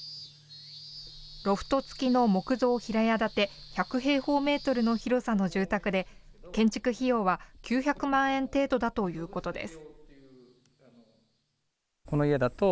ロフト付きの木造平屋建て１００平方メートルの広さの住宅で、建築費用は９００万円程度だということです。